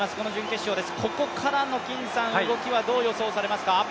ここからの動きはどう予想されますか？